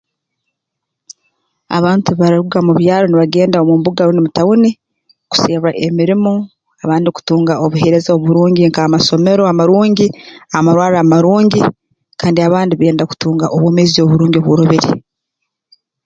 Abantu baruga mu byaro nibagenda omu mbuga rundi mu tauni kuserra emirimo abandi kutunga obuheereza oburungi nk'amasomero amarungi amarwarro amarungi kandi abandi benda kutunga obwomeezi oburungi obworobere